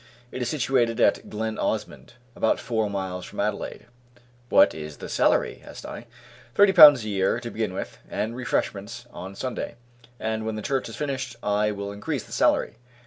It is situated at Glen Osmond, about four miles from Adelaide." "What is the salary?" asked I. "Thirty pounds a year to begin with, and refreshments on Sundays, and when the church is finished I will increase the salary."